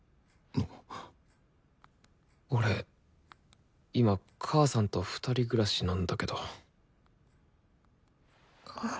俺今母さんと２人暮らしなんだけど。